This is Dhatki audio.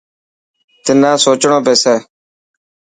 تنان سوچڻو پيسي.